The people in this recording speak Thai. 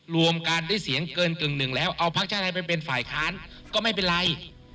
รวมกันได้เสียงเกินกึ่งหนึ่งแล้วเอาพักชาติไทยไปเป็นฝ่ายค้านก็ไม่เป็นไร